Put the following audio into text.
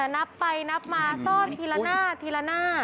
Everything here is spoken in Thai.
นับไปนับมาซ่อนทีละหน้าทีละหน้า